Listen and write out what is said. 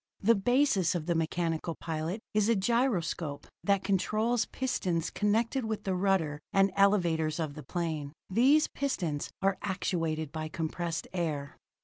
The basis of the mechanical pilot is a gyroscope that controls pistons connected with the rudder and elevators of the plane. These pistons are actuated by compressed air.